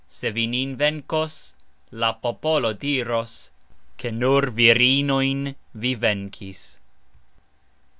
Se vi nin venkos, la popolo diros, ke nur virinojn vi venkis.